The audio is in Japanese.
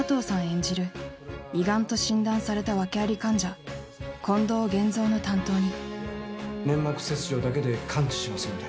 演じる胃がんと診断された訳あり患者近藤玄三の担当に粘膜切除だけで完治しますので。